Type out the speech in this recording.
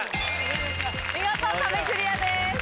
見事壁クリアです。